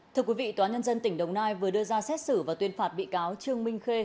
thưa quý vị tòa nhân dân tỉnh đồng nai vừa đưa ra xét xử và tuyên phạt bị cáo trương minh khê